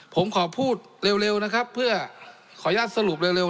ผมขอพูดเร็วนะครับเพื่อขออนุญาตสรุปเร็ว